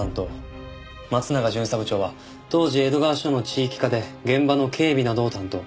松永巡査部長は当時江戸川署の地域課で現場の警備などを担当。